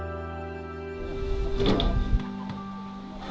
ya tuhan kami berdoa